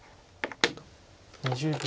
２０秒。